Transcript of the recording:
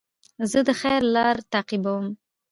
زه د خیر لاره تعقیبوم.